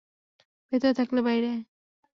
ভেতরে থাকলে বাইরে আয়।